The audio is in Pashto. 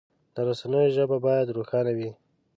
د رسنیو ژبه باید روښانه وي.